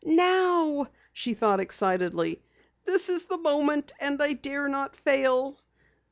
"Now!" she thought excitedly. "This is the moment, and I dare not fail!"